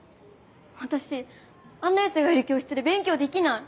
私あんなヤツがいる教室で勉強できない。